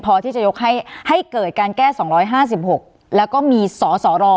พอที่จะยกให้ให้เกิดการแก้สองร้อยห้าสิบหกแล้วก็มีส่อส่อรอ